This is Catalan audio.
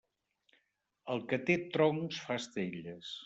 El que té troncs fa estelles.